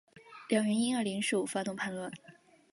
两人因而联手发动叛乱。